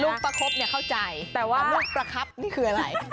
ลูกประคบเข้าใจแต่ว่าลูกประคับนี่คืออะไร